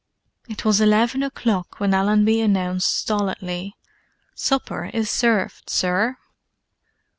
It was eleven o'clock when Allenby announced stolidly, "Supper is served, sir!"